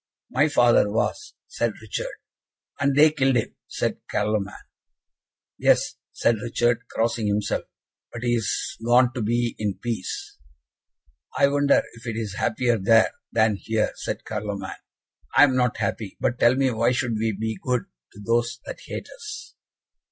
"My father was," said Richard. "And they killed him!" said Carloman. "Yes," said Richard, crossing himself, "but he is gone to be in peace." "I wonder if it is happier there, than here," said Carloman. "I am not happy. But tell me why should we be good to those that hate us?"